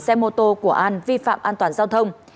xe mô tô của an vi phạm an toàn giao thông